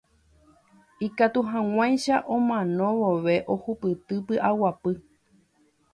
Ikatuhag̃uáicha omano vove ohupyty py'aguapy.